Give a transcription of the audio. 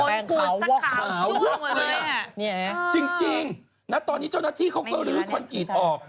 แบงค์ขาวหวอกเลยอ่ะจริงนะตอนนี้เจ้านักที่เค้าก็ลื้อควันกิจออก